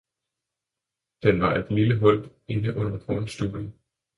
Den var et lille hul inde under kornstubbene.